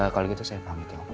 kalau gitu saya pamit ya om